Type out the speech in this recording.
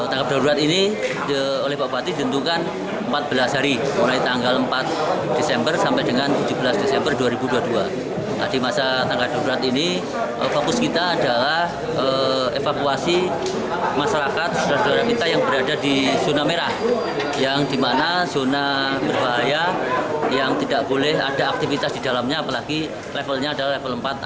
ada aktivitas di dalamnya apalagi levelnya adalah level empat awas seperti saat ini